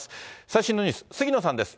最新のニュース、杉野さんです。